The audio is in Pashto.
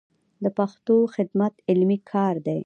د پښتو خدمت علمي کار دی.